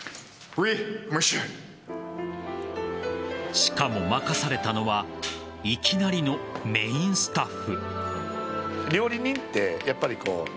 しかも、任されたのはいきなりのメインスタッフ。